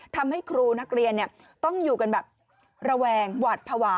ทำให้ครูนักเรียนต้องอยู่กันแบบระแวงหวาดภาวะ